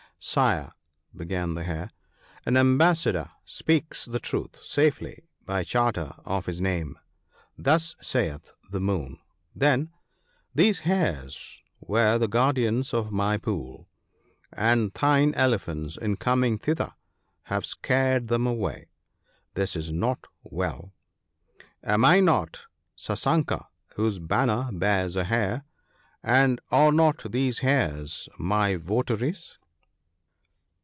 'Sire, began the Hare, 'an ambassador speaks the truth safely by charter of his name. Thus saith the Moon, then :" These hares were the guardians of my pool, and thine elephants in coming thither have scared them away. This is not well. Am I not ' Sasanka ( ;fl ), whose banner bears a hare, and are not these hares my votaries